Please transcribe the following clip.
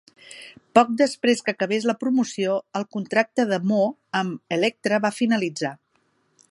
Poc després que acabés la promoció, el contracte de Mo amb Elektra va finalitzar.